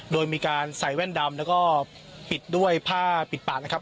โดยมีการใส่แว่นดำแล้วก็ปิดด้วยผ้าปิดปากนะครับ